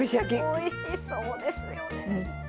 おいしそうですよね。